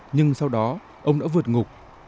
nhưng sau đó ông đã vượt ngục